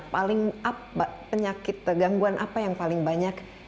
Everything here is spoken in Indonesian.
paling penyakit gangguan apa yang paling banyak